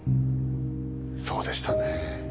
そうでしたねえ。